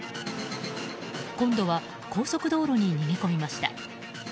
今度は高速道路に逃げ込みました。